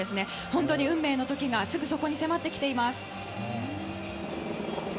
本当に運命の時がすぐそこに迫ってきています。